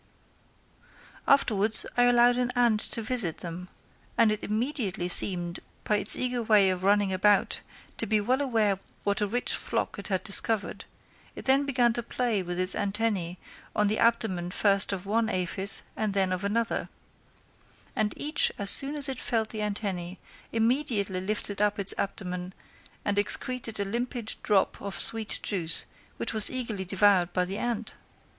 Afterwards, I allowed an ant to visit them, and it immediately seemed, by its eager way of running about to be well aware what a rich flock it had discovered; it then began to play with its antennæ on the abdomen first of one aphis and then of another; and each, as soon as it felt the antennæ, immediately lifted up its abdomen and excreted a limpid drop of sweet juice, which was eagerly devoured by the ant.